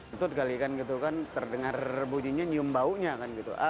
itu digalikan gitu kan terdengar bunyinya nyium baunya kan gitu